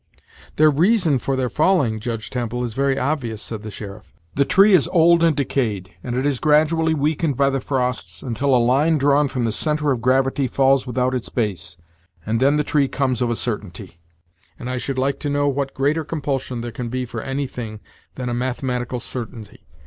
"The reason of their falling, Judge Temple, is very obvious," said the sheriff. "The tree is old and decayed, and it is gradually weakened by the frosts, until a line drawn from the centre of gravity falls without its base, and then the tree comes of a certainty; and I should like to know what greater compulsion there can be for any thing than a mathematical certainty.